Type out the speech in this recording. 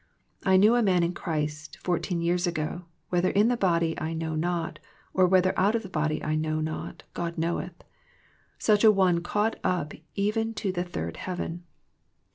"I knew a man in Christ, fourteen years ago (whether in the body, I know not ; or whether out of the body, I know not ; God knoweth), such a one caught up even to the third heaven."